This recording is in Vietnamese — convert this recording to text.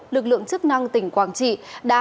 lực lượng chức năng tỉnh quảng trị đã